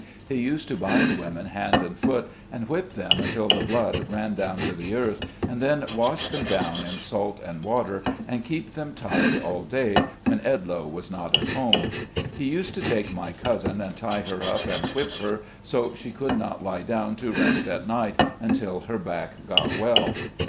He used to bind women hand and foot, and whip them until the blood ran down to the earth, and then wash them down in salt and water, and keep them tied all day, when Edloe was not at home. He used to take my cousin and tie her up and whip her so she could not lie down to rest at night until her back got well.